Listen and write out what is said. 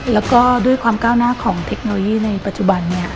แล้วก็ด้วยความก้าวหน้าของเทคโนโลยีในปัจจุบันนี้